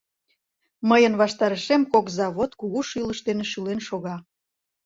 Мыйын ваштарешем кок завод кугу шӱлыш дене шӱлен шога.